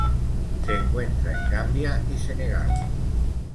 Se encuentra en Gambia y Senegal.